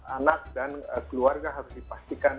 anak dan keluarga harus dipastikan